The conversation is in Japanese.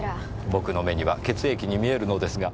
僕の目には血液に見えるのですが。